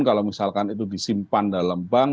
kalau misalkan itu disimpan dalam bank